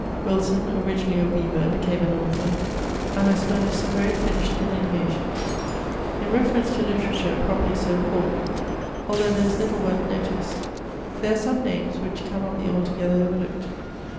Wilson, originally a weaver, became an author, and has furnished some very finished delineations. In reference to literature, properly so called, although there is little worth notice, there are some names which cannot be alto gether overlooked.